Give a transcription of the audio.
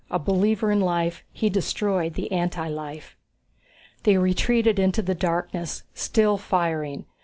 A believer in life, he destroyed the anti life. They retreated into the darkness, still firing.